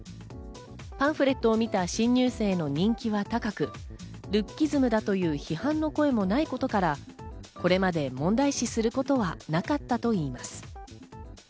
パンフレットを見た新入生の人気は高く、ルッキズムだという批判の声もないことから、これまで問題視することはなかったといいます。